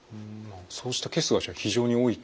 そうしたケースがじゃあ非常に多いと。